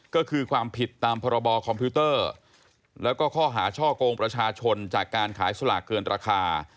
ก็คือความผิดตามพรบคอมพิวเตอร์แล้วก็ข้อหาช่อกงประชาชนจากการขายสลากเกินราคา